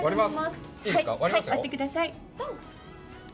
割ってください。